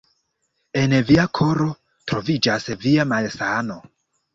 En via koro troviĝas via malsano.